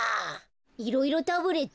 いろいろタブレット？